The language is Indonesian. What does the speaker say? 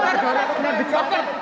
jarak tembakannya dekat